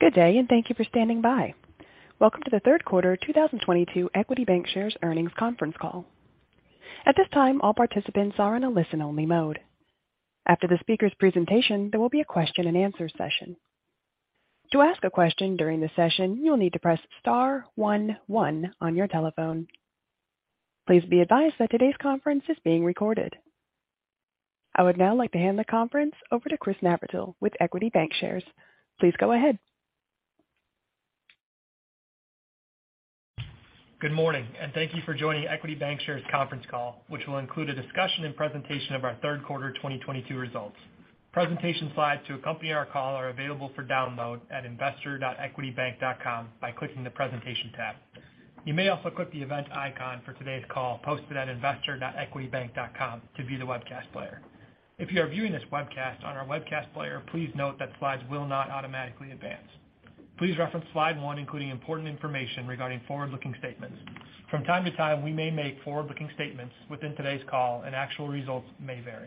Good day, and thank you for standing by. Welcome to the third quarter 2022 Equity Bancshares, Inc. Earnings Conference Call. At this time, all participants are in a listen-only mode. After the speaker's presentation, there will be a question-and-answer session. To ask a question during the session, you'll need to press star one one on your telephone. Please be advised that today's conference is being recorded. I would now like to hand the conference over to Chris Navratil with Equity Bancshares, Inc. Please go ahead. Good morning, and thank you for joining Equity Bancshares, Inc. conference call, which will include a discussion and presentation of our third quarter 2022 results. Presentation slides to accompany our call are available for download at investor.equitybank.com by clicking the Presentation tab. You may also click the event icon for today's call posted at investor.equitybank.com to view the webcast player. If you are viewing this webcast on our webcast player, please note that slides will not automatically advance. Please reference slide 1, including important information regarding forward-looking statements. From time to time, we may make forward-looking statements within today's call, and actual results may vary.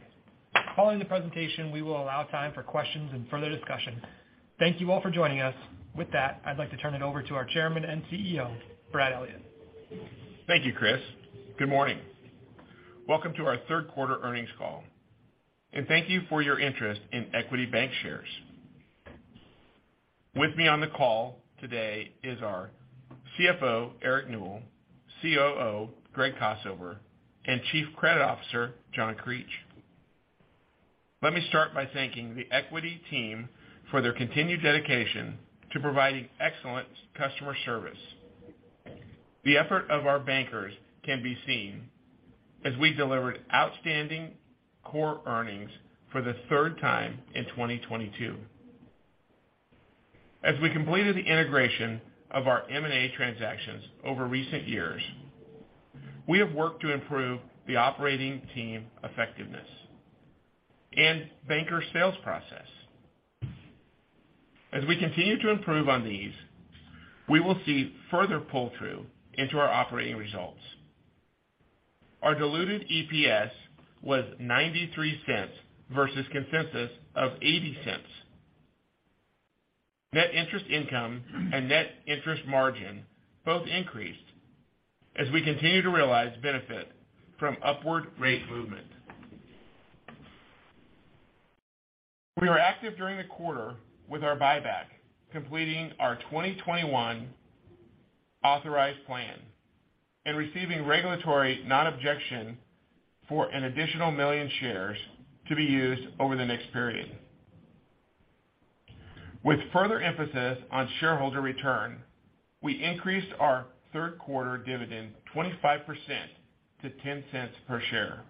Following the presentation, we will allow time for questions and further discussion. Thank you all for joining us. With that, I'd like to turn it over to our Chairman and CEO, Brad Elliott. Thank you, Chris. Good morning. Welcome to our third quarter earnings call, and thank you for your interest in Equity Bancshares, Inc. With me on the call today is our CFO, Eric Newell, COO, Greg Kossover, and Chief Credit Officer, John Creech. Let me start by thanking the Equity team for their continued dedication to providing excellent customer service. The effort of our bankers can be seen as we delivered outstanding core earnings for the third time in 2022. As we completed the integration of our M&A transactions over recent years, we have worked to improve the operating team effectiveness and banker sales process. As we continue to improve on these, we will see further pull-through into our operating results. Our diluted EPS was $0.93 versus consensus of $0.80. Net interest income and net interest margin both increased as we continue to realize benefit from upward rate movement. We were active during the quarter with our buyback, completing our 2021 authorized plan and receiving regulatory non-objection for an additional 1 million shares to be used over the next period. With further emphasis on shareholder return, we increased our third quarter dividend 25% to $0.10 per share.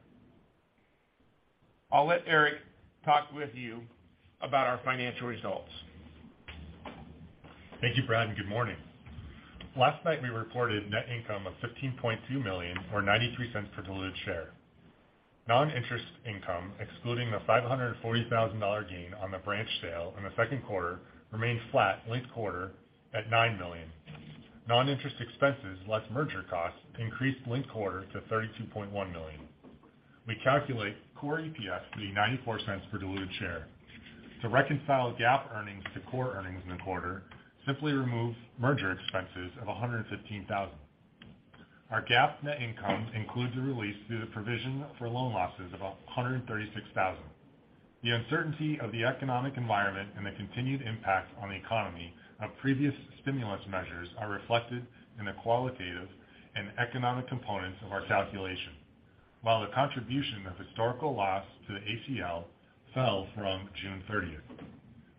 I'll let Eric talk with you about our financial results. Thank you, Brad, and good morning. Last night, we reported net income of $15.2 million, or $0.93 per diluted share. Non-interest income, excluding the $540,000 gain on the branch sale in the second quarter, remained flat linked quarter at $9 million. Non-interest expenses, less merger costs, increased linked quarter to $32.1 million. We calculate core EPS to be $0.94 per diluted share. To reconcile GAAP earnings to core earnings in the quarter, simply remove merger expenses of $115,000. Our GAAP net income includes a release due to the provision for loan losses of $136,000. The uncertainty of the economic environment and the continued impact on the economy of previous stimulus measures are reflected in the qualitative and economic components of our calculation. While the contribution of historical loss to the ACL fell from June thirtieth,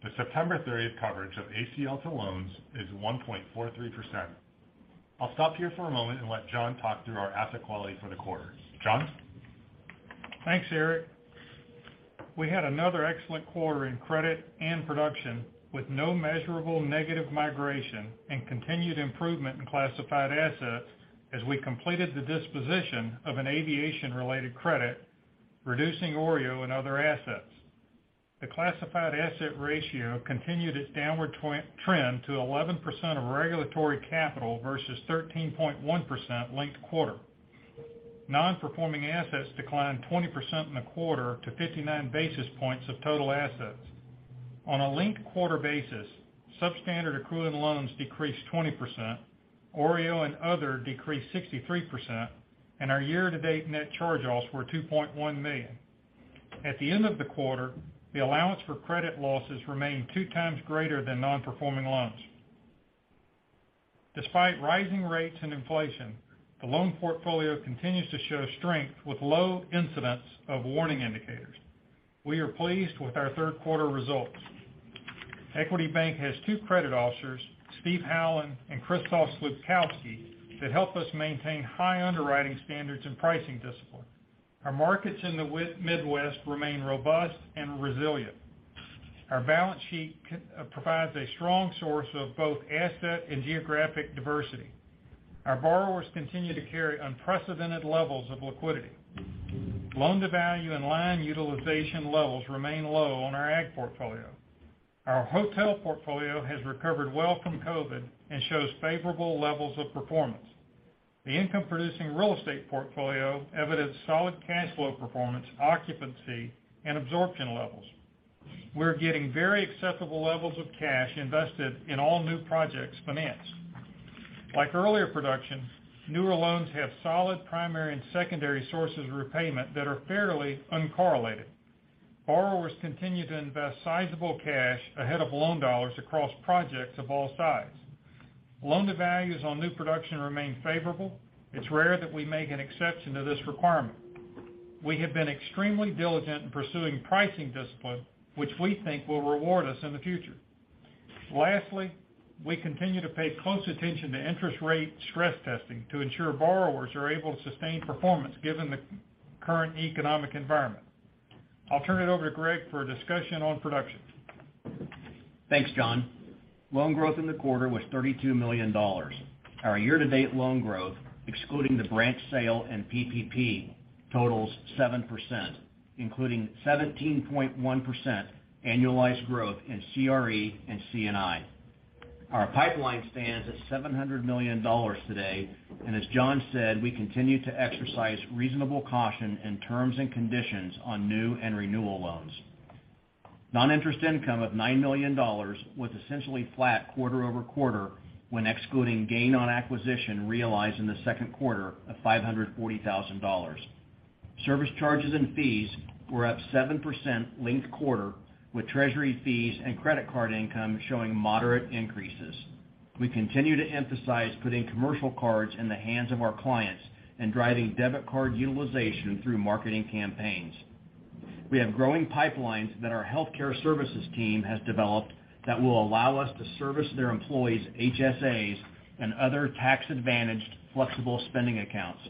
the September thirtieth coverage of ACL to loans is 1.43%. I'll stop here for a moment and let John talk through our asset quality for the quarter. John? Thanks, Eric. We had another excellent quarter in credit and production with no measurable negative migration and continued improvement in classified assets as we completed the disposition of an aviation-related credit, reducing OREO and other assets. The classified asset ratio continued its downward trend to 11% of regulatory capital versus 13.1% linked quarter. Non-performing assets declined 20% in the quarter to 59 basis points of total assets. On a linked quarter basis, substandard accruing loans decreased 20%, OREO and other decreased 63%, and our year-to-date net charge-offs were $2.1 million. At the end of the quarter, the allowance for credit losses remained two times greater than non-performing loans. Despite rising rates and inflation, the loan portfolio continues to show strength with low incidence of warning indicators. We are pleased with our third quarter results. Equity Bank has two credit officers, Steve Howland and Krzysztof Slupkowski, that help us maintain high underwriting standards and pricing discipline. Our markets in the Midwest remain robust and resilient. Our balance sheet provides a strong source of both asset and geographic diversity. Our borrowers continue to carry unprecedented levels of liquidity. Loan-to-value and line utilization levels remain low on our ag portfolio. Our hotel portfolio has recovered well from COVID and shows favorable levels of performance. The income-producing real estate portfolio evidenced solid cash flow performance, occupancy, and absorption levels. We're getting very acceptable levels of cash invested in all new projects financed. Like earlier production, newer loans have solid primary and secondary sources of repayment that are fairly uncorrelated. Borrowers continue to invest sizable cash ahead of loan dollars across projects of all size. Loan-to-values on new production remain favorable. It's rare that we make an exception to this requirement. We have been extremely diligent in pursuing pricing discipline, which we think will reward us in the future. Lastly, we continue to pay close attention to interest rate stress testing to ensure borrowers are able to sustain performance given the current economic environment. I'll turn it over to Greg for a discussion on production. Thanks, John. Loan growth in the quarter was $32 million. Our year-to-date loan growth, excluding the branch sale and PPP, totals 7%, including 17.1% annualized growth in CRE and C&I. Our pipeline stands at $700 million today, and as John said, we continue to exercise reasonable caution in terms and conditions on new and renewal loans. Non-interest income of $9 million was essentially flat quarter-over-quarter when excluding gain on acquisition realized in the second quarter of $540,000. Service charges and fees were up 7% linked quarter, with treasury fees and credit card income showing moderate increases. We continue to emphasize putting commercial cards in the hands of our clients and driving debit card utilization through marketing campaigns. We have growing pipelines that our healthcare services team has developed that will allow us to service their employees' HSAs and other tax-advantaged flexible spending accounts.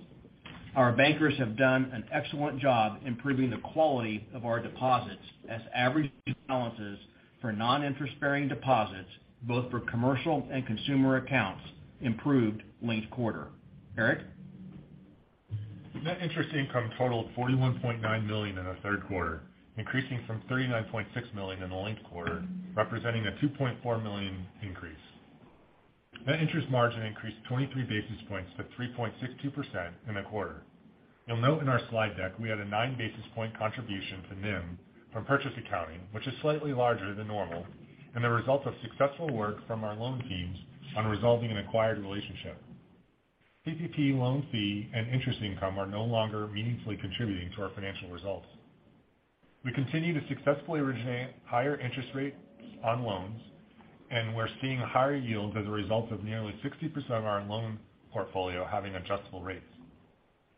Our bankers have done an excellent job improving the quality of our deposits as average balances for non-interest-bearing deposits, both for commercial and consumer accounts, improved, linked quarter. Eric? Net interest income totaled $41.9 million in the third quarter, increasing from $39.6 million in the linked quarter, representing a $2.4 million increase. Net interest margin increased 23 basis points to 3.62% in the quarter. You'll note in our slide deck, we had a 9-basis-point contribution to NIM from purchase accounting, which is slightly larger than normal and the result of successful work from our loan teams on resolving an acquired relationship. PPP loan fee and interest income are no longer meaningfully contributing to our financial results. We continue to successfully originate higher interest rates on loans, and we're seeing higher yields as a result of nearly 60% of our loan portfolio having adjustable rates.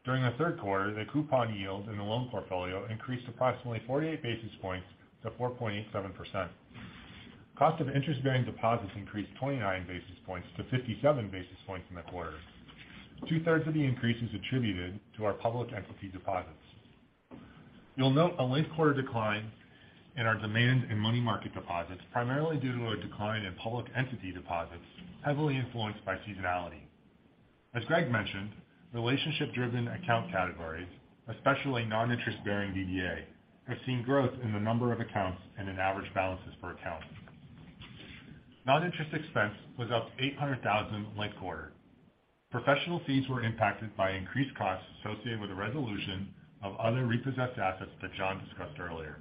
During the third quarter, the coupon yield in the loan portfolio increased approximately 48 basis points to 4.87%. Cost of interest-bearing deposits increased 29 basis points to 57 basis points in the quarter. Two-thirds of the increase is attributed to our public entity deposits. You'll note a linked quarter decline in our demand and money market deposits, primarily due to a decline in public entity deposits, heavily influenced by seasonality. As Greg mentioned, relationship-driven account categories, especially non-interest-bearing DDA, have seen growth in the number of accounts and in average balances per account. Non-interest expense was up $800,000 linked quarter. Professional fees were impacted by increased costs associated with the resolution of other repossessed assets that John discussed earlier.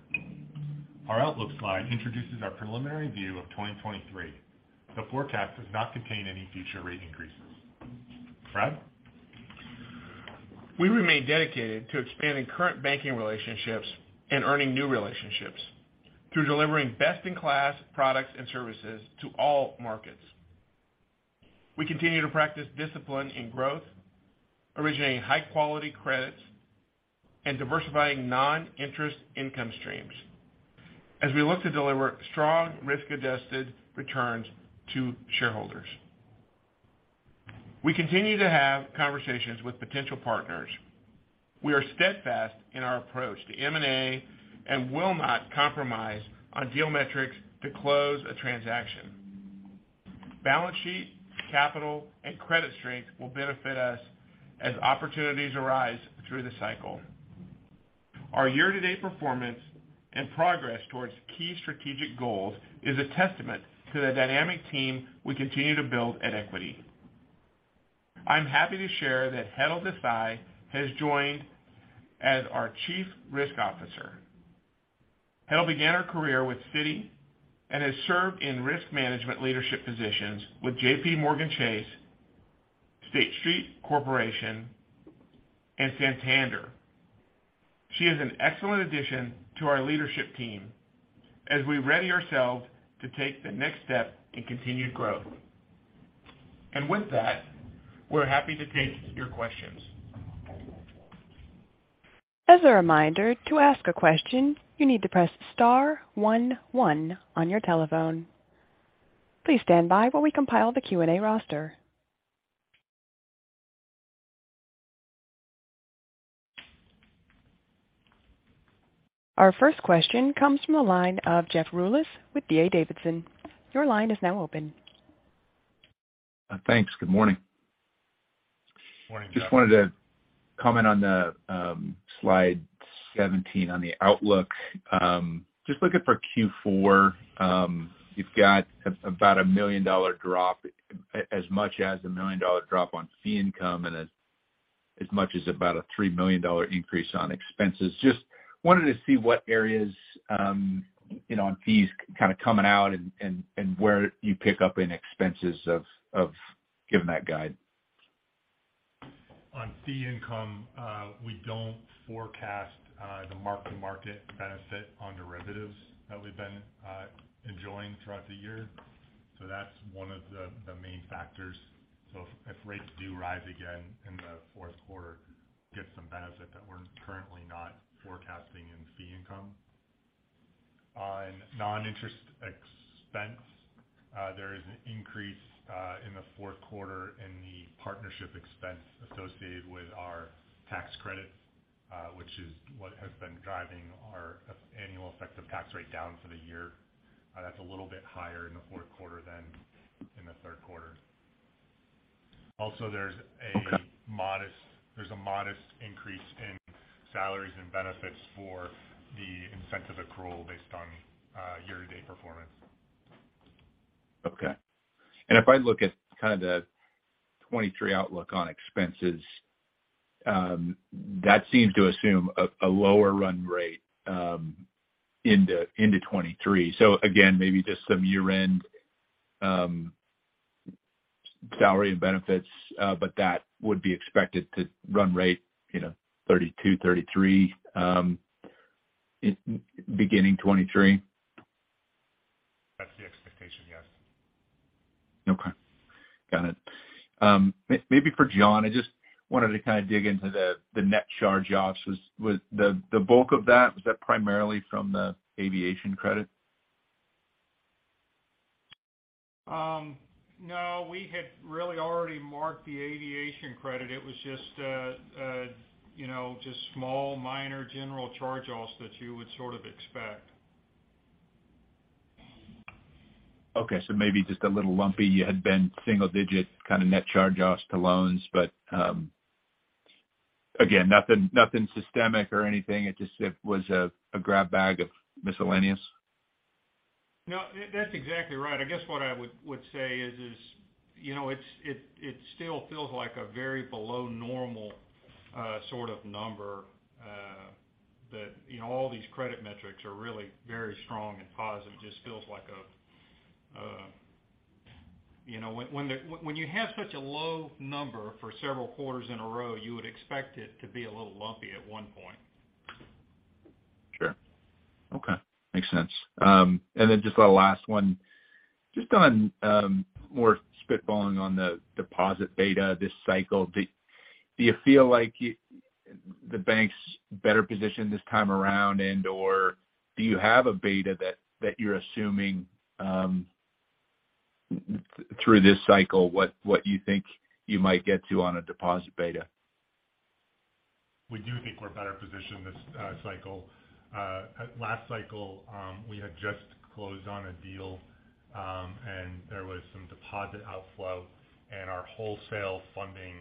Our outlook slide introduces our preliminary view of 2023. The forecast does not contain any future rate increases. Brad? We remain dedicated to expanding current banking relationships and earning new relationships through delivering best-in-class products and services to all markets. We continue to practice discipline in growth, originating high-quality credits, and diversifying non-interest income streams as we look to deliver strong risk-adjusted returns to shareholders. We continue to have conversations with potential partners. We are steadfast in our approach to M&A and will not compromise on deal metrics to close a transaction. Balance sheet, capital, and credit strength will benefit us as opportunities arise through the cycle. Our year-to-date performance and progress towards key strategic goals is a testament to the dynamic team we continue to build at Equity. I'm happy to share that Hetal Desai has joined as our Chief Risk Officer. Hetal began her career with Citi and has served in risk management leadership positions with JPMorgan Chase, State Street Corporation, and Santander. She is an excellent addition to our leadership team as we ready ourselves to take the next step in continued growth. With that, we're happy to take your questions. As a reminder, to ask a question, you need to press star one one on your telephone. Please stand by while we compile the Q&A roster. Our first question comes from the line of Jeff Rulis with D.A. Davidson. Your line is now open. Thanks. Good morning. Morning, Jeff Rulis. Comment on the slide 17 on the outlook. Just looking for Q4, you've got about a $1 million drop, as much as a $1 million drop on fee income and as much as about a $3 million increase on expenses. Just wanted to see what areas, you know, on fees kind of coming out and where you pick up in expenses of given that guide. On fee income, we don't forecast the mark-to-market benefit on derivatives that we've been enjoying throughout the year. That's one of the main factors. If rates do rise again in the fourth quarter, get some benefit that we're currently not forecasting in fee income. On non-interest expense, there is an increase in the fourth quarter in the partnership expense associated with our tax credits, which is what has been driving our annual effective tax rate down for the year. That's a little bit higher in the fourth quarter than in the third quarter. Also, there's a modest increase in salaries and benefits for the incentive accrual based on year-to-date performance. Okay. If I look at kind of the 2023 outlook on expenses, that seems to assume a lower run rate into 2023. So again, maybe just some year-end salary and benefits, but that would be expected to run rate, you know, $32-$33 in beginning 2023. That's the expectation, yes. Okay. Got it. Maybe for John, I just wanted to kind of dig into the net charge-offs. Was the bulk of that primarily from the aviation credit? No, we had really already marked the aviation credit. It was just, you know, just small, minor general charge-offs that you would sort of expect. Okay. Maybe just a little lumpy. You had been single digit kind of net charge-offs to loans. Again, nothing systemic or anything. It just, it was a grab bag of miscellaneous. No, that's exactly right. I guess what I would say is, you know, it still feels like a very below normal sort of number. But, you know, all these credit metrics are really very strong and positive. Just feels like, you know, when you have such a low number for several quarters in a row, you would expect it to be a little lumpy at one point. Sure. Okay. Makes sense. Just a last one. Just on, more spitballing on the deposit beta this cycle. Do you feel like the bank's better positioned this time around and/or do you have a beta that you're assuming through this cycle what you think you might get to on a deposit beta? We do think we're better positioned this cycle. Last cycle, we had just closed on a deal, and there was some deposit outflow. Our wholesale funding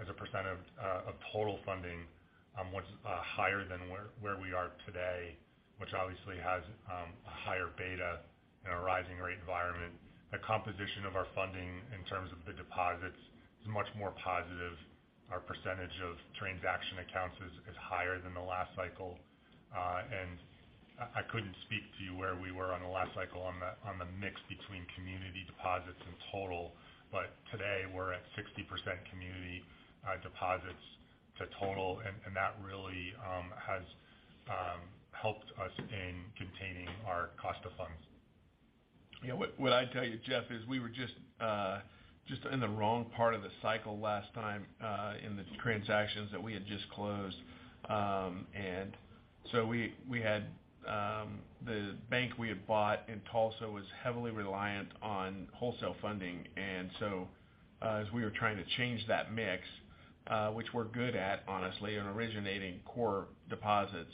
as a percent of total funding was higher than where we are today, which obviously has a higher beta in a rising rate environment. The composition of our funding in terms of the deposits is much more positive. Our percentage of transaction accounts is higher than the last cycle. I couldn't speak to you where we were on the last cycle on the mix between community deposits in total. Today, we're at 60% community deposits to total. That really has helped us in containing our cost of funds. Yeah. What I'd tell you, Jeff, is we were just in the wrong part of the cycle last time in the transactions that we had just closed. We had the bank we had bought in Tulsa was heavily reliant on wholesale funding. As we were trying to change that mix, which we're good at honestly on originating core deposits,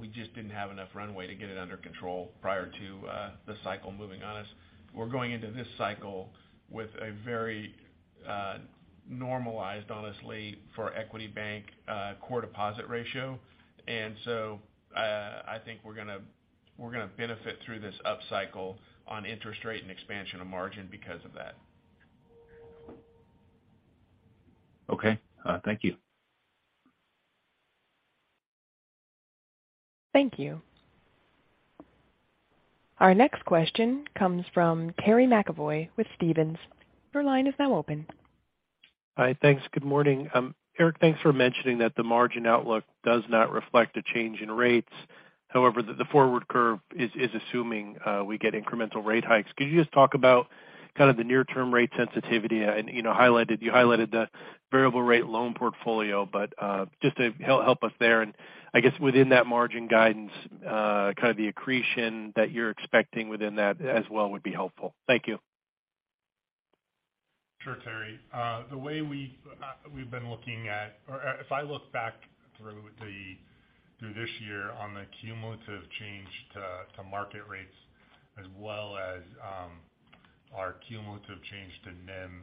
we just didn't have enough runway to get it under control prior to the cycle moving on us. We're going into this cycle with a very normalized, honestly, for Equity Bank, core deposit ratio. I think we're gonna benefit through this upcycle on interest rate and expansion of margin because of that. Okay. Thank you. Thank you. Our next question comes from Terry McEvoy with Stephens. Your line is now open. Hi. Thanks. Good morning. Eric, thanks for mentioning that the margin outlook does not reflect a change in rates. However, the forward curve is assuming we get incremental rate hikes. Could you just talk about kind of the near term rate sensitivity and, you know, you highlighted the variable rate loan portfolio. But, just to help us there and I guess within that margin guidance, kind of the accretion that you're expecting within that as well would be helpful. Thank you. Sure, Terry. The way we've been looking at or if I look back through this year on the cumulative change to market rates as well as. Our cumulative change to NIM,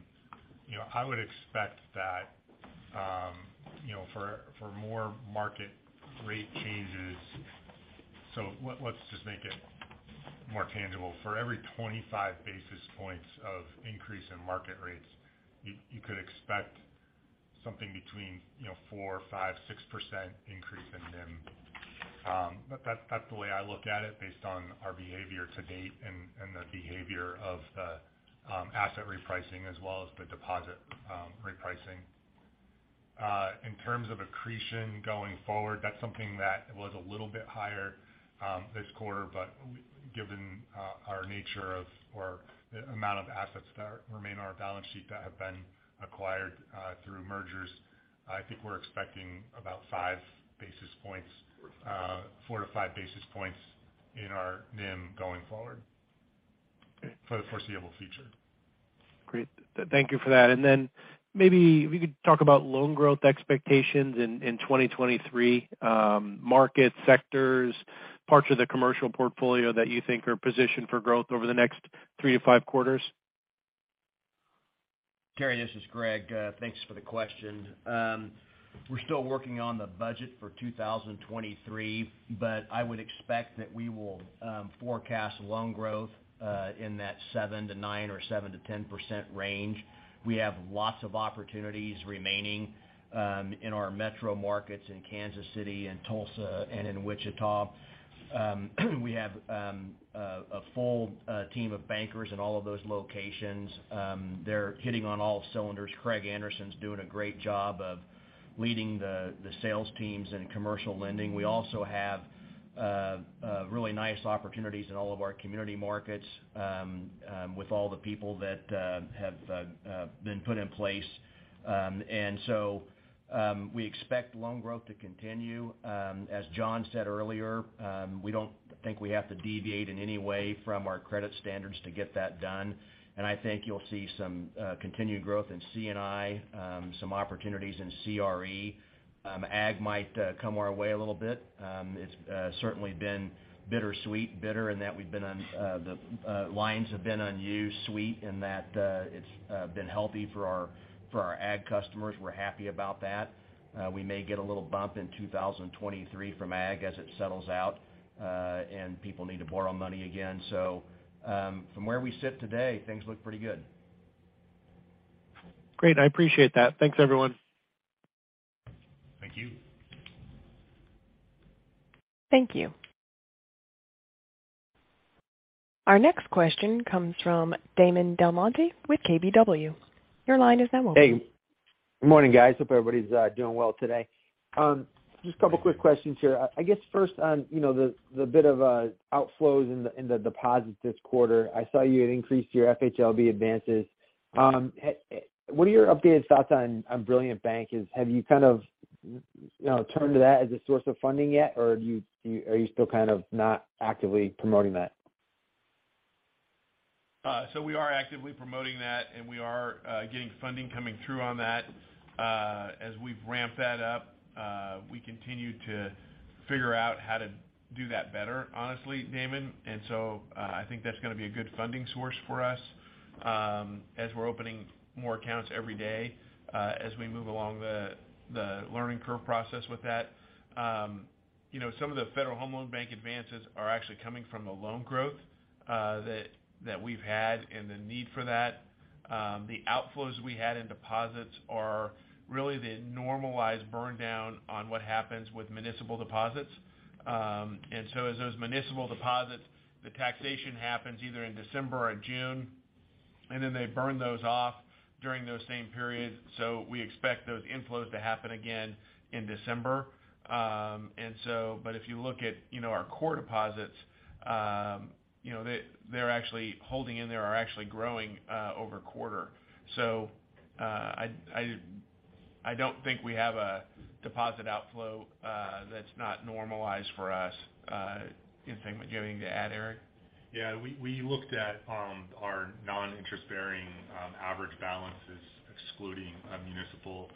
you know, I would expect that, you know, for more market rate changes. Let's just make it more tangible. For every 25 basis points of increase in market rates, you could expect something between 4%-6% increase in NIM. That's the way I look at it based on our behavior to date and the behavior of the asset repricing as well as the deposit repricing. In terms of accretion going forward, that's something that was a little bit higher this quarter. Given the amount of assets that remain on our balance sheet that have been acquired through mergers, I think we're expecting about 5 basis points, 4-5 basis points in our NIM going forward for the foreseeable future. Great. Thank you for that. Maybe if you could talk about loan growth expectations in 2023, market sectors, parts of the commercial portfolio that you think are positioned for growth over the next 3-5 quarters? Terry, this is Greg. Thanks for the question. We're still working on the budget for 2023, but I would expect that we will forecast loan growth in that 7%-9% or 7%-10% range. We have lots of opportunities remaining in our metro markets in Kansas City and Tulsa and in Wichita. We have a full team of bankers in all of those locations. They're hitting on all cylinders. Craig Anderson's doing a great job of leading the sales teams in commercial lending. We also have really nice opportunities in all of our community markets with all the people that have been put in place. We expect loan growth to continue. As John said earlier, we don't think we have to deviate in any way from our credit standards to get that done. I think you'll see some continued growth in C&I, some opportunities in CRE. Ag might come our way a little bit. It's certainly been bittersweet. Bitter in that the lines have been unused. Sweet in that it's been healthy for our ag customers. We're happy about that. We may get a little bump in 2023 from ag as it settles out, and people need to borrow money again. From where we sit today, things look pretty good. Great. I appreciate that. Thanks, everyone. Thank you. Thank you. Our next question comes from Damon DelMonte with KBW. Your line is now open. Hey. Good morning, guys. Hope everybody's doing well today. Just a couple quick questions here. I guess first on, you know, the bit of outflows in the deposits this quarter. I saw you had increased your FHLB advances. What are your updated thoughts on Brilliant Bank? Have you kind of, you know, turned to that as a source of funding yet, or are you still kind of not actively promoting that? We are actively promoting that, and we are getting funding coming through on that. As we've ramped that up, we continue to figure out how to do that better, honestly, Damon. I think that's gonna be a good funding source for us, as we're opening more accounts every day, as we move along the learning curve process with that. You know, some of the Federal Home Loan Banks advances are actually coming from the loan growth that we've had and the need for that. The outflows we had in deposits are really the normalized burn down on what happens with municipal deposits. As those municipal deposits, the taxation happens either in December or June, and then they burn those off during those same periods. We expect those inflows to happen again in December. If you look at, you know, our core deposits, you know, they're actually holding in there or actually growing over quarter. I don't think we have a deposit outflow that's not normalized for us. Anything to add, Eric? Yeah. We looked at our non-interest-bearing average balances excluding a municipal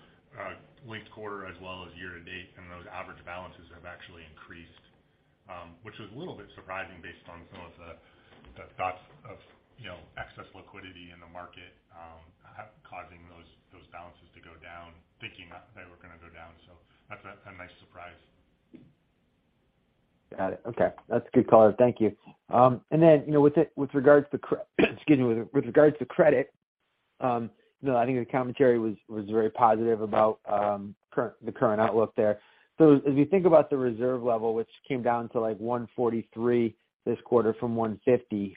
linked quarter as well as year to date, and those average balances have actually increased, which was a little bit surprising based on some of the thoughts of, you know, excess liquidity in the market, causing those balances to go down, thinking that they were gonna go down. That's a nice surprise. Got it. Okay. That's a good color. Thank you. You know, with regards to credit, you know, I think the commentary was very positive about the current outlook there. As you think about the reserve level, which came down to, like, 143 this quarter from 150,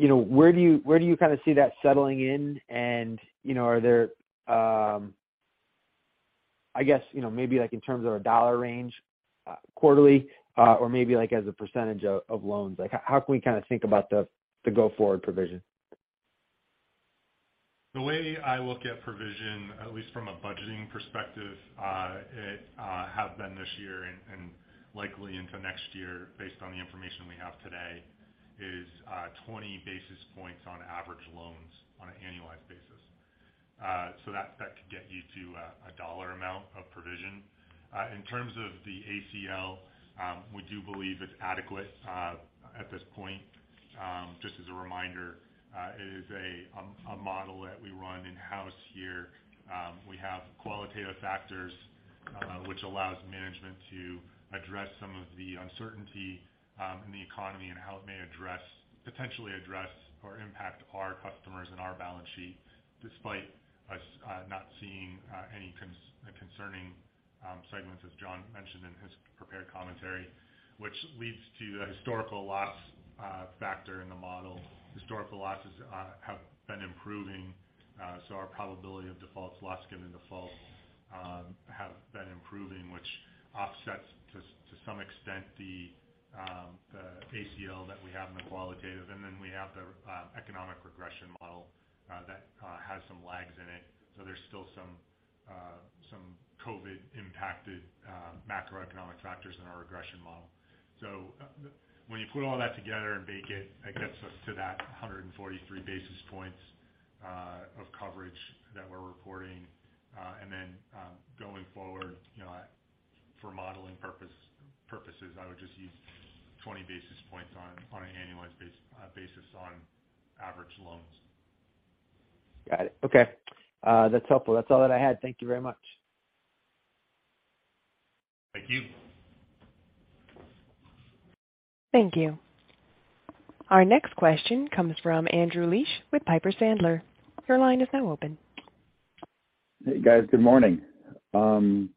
you know, where do you kind of see that settling in? You know, are there? I guess, you know, maybe like in terms of a dollar range, quarterly, or maybe like as a percentage of loans. Like, how can we kind of think about the go-forward provision? The way I look at provision, at least from a budgeting perspective, it have been this year and likely into next year, based on the information we have today, is 20 basis points on average loans on an annualized basis. That could get you to a dollar amount of provision. In terms of the ACL, we do believe it's adequate at this point. Just as a reminder, it is a model that we run in-house here. We have qualitative factors which allows management to address some of the uncertainty in the economy and how it may potentially address or impact our customers and our balance sheet, despite us not seeing any concerning segments, as John mentioned in his prepared commentary, which leads to a historical loss factor in the model. Historical losses have been improving, so our probability of defaults, loss given default, have been improving, which offsets to some extent the ACL that we have in the qualitative. Then we have the economic regression model that has some lags in it. There's still some COVID-impacted macroeconomic factors in our regression model. When you put all that together and bake it gets us to that 143 basis points of coverage that we're reporting. Going forward, you know, for modeling purposes, I would just use 20 basis points on an annualized basis on average loans. Got it. Okay. That's helpful. That's all that I had. Thank you very much. Thank you. Thank you. Our next question comes from Andrew Liesch with Piper Sandler. Your line is now open. Hey, guys. Good morning.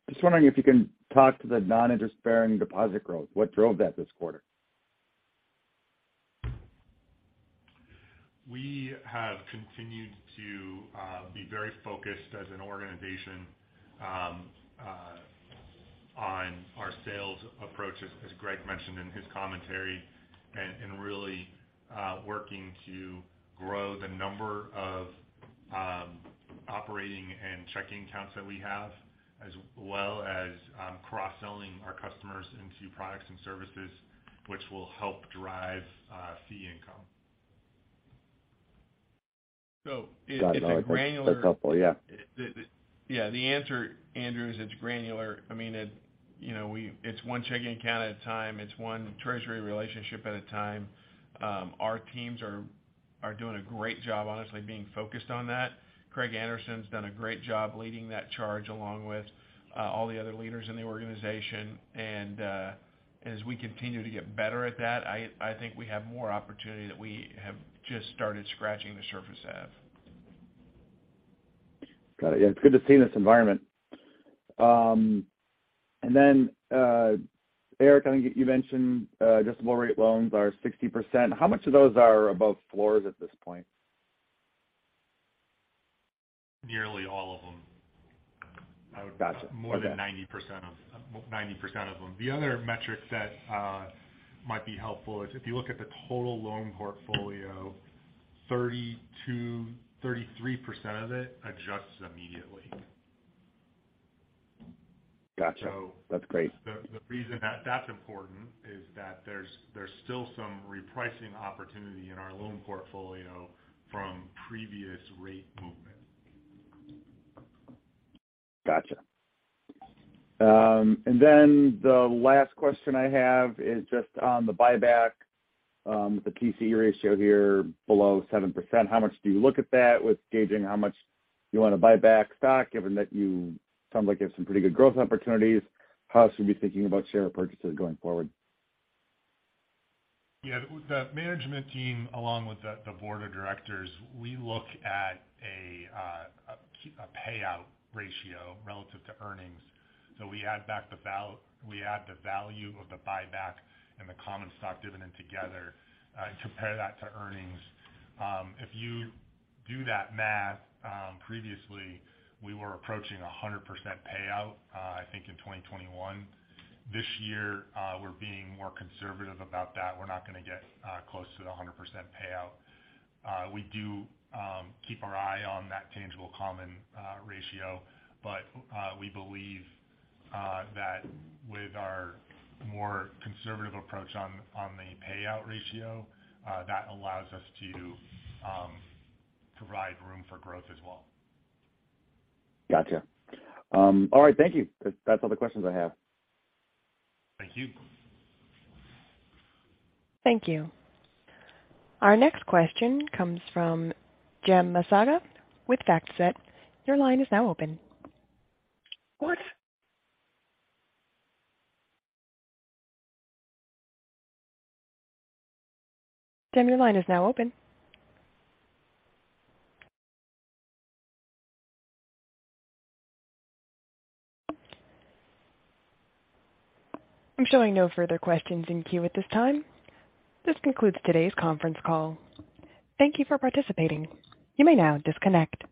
Just wondering if you can talk to the non-interest-bearing deposit growth. What drove that this quarter? We have continued to be very focused as an organization on our sales approach, as Greg mentioned in his commentary, and really working to grow the number of operating and checking accounts that we have, as well as cross-selling our customers into products and services which will help drive fee income. So- If it granular. That's helpful. Yeah. Yeah. The answer, Andrew, is it's granular. I mean, you know, it's one checking account at a time. It's one treasury relationship at a time. Our teams are doing a great job, honestly, being focused on that. Craig Anderson's done a great job leading that charge along with all the other leaders in the organization. As we continue to get better at that, I think we have more opportunity that we have just started scratching the surface of. Got it. Yeah. It's good to see in this environment. Eric, I think you mentioned adjustable rate loans are 60%. How much of those are above floors at this point? Nearly all of them. Gotcha. 90% of them. The other metric that might be helpful is if you look at the total loan portfolio, 32%-33% of it adjusts immediately. Gotcha. So- That's great. The reason that that's important is that there's still some repricing opportunity in our loan portfolio from previous rate movement. Gotcha. The last question I have is just on the buyback, with the TCE ratio here below 7%. How much do you look at that with gauging how much you want to buy back stock, given that you sound like you have some pretty good growth opportunities? How should we be thinking about share purchases going forward? Yeah. The management team, along with the board of directors, we look at a payout ratio relative to earnings. We add the value of the buyback and the common stock dividend together and compare that to earnings. If you do that math, previously we were approaching 100% payout, I think in 2021. This year, we're being more conservative about that. We're not gonna get close to 100% payout. We do keep our eye on that tangible common ratio, but we believe that with our more conservative approach on the payout ratio, that allows us to provide room for growth as well. Gotcha. All right, thank you. That's all the questions I have. Thank you. Thank you. Our next question comes from Jem Masaga with FactSet. Your line is now open. What? Jem, your line is now open. I'm showing no further questions in queue at this time. This concludes today's conference call. Thank you for participating. You may now disconnect.